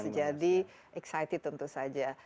jadi excited tentu saja